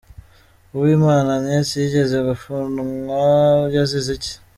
Uwimana Agnes yigeze gufunwa, yazize iki ?